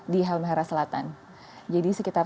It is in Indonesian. di halmahera selatan jadi sekitar